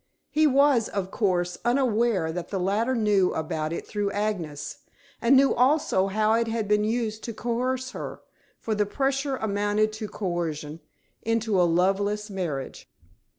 He was, of course, unaware that the latter knew about it through Agnes, and knew also how it had been used to coerce her for the pressure amounted to coercion into a loveless marriage.